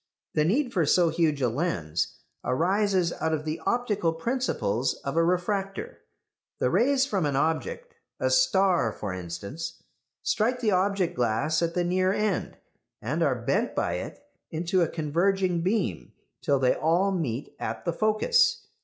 The need for so huge a lens arises out of the optical principles of a refractor. The rays from an object a star, for instance strike the object glass at the near end, and are bent by it into a converging beam, till they all meet at the focus.